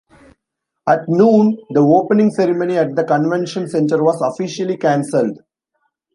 At noon, the opening ceremony at the convention center was officially cancelled.